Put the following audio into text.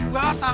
gak takut ya kak